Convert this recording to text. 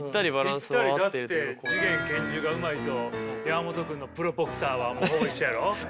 だって次元拳銃がうまいと山本君のプロボクサーはほぼ一緒やろ。